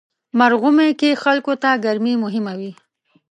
مرغومی کې خلکو ته ګرمي مهمه وي.